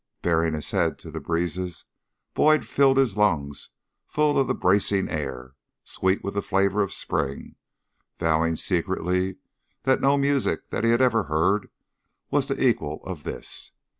Baring his head to the breezes Boyd filled his lungs full of the bracing air, sweet with the flavor of spring, vowing secretly that no music that he had ever heard was the equal of this.